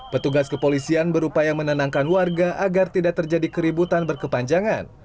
petugas kepolisian berupaya menenangkan warga agar tidak terjadi keributan berkepanjangan